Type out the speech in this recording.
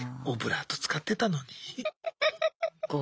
オブラート使ってたのに。